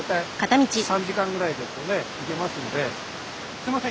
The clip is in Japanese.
すいません。